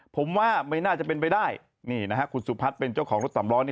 ผมว่าไม่น่าจะเป็นไปได้นี่นะฮะคุณสุพัฒน์เป็นเจ้าของรถสำล้อนี่